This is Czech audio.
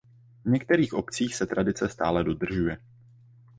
V některých obcích se tradice stále dodržuje.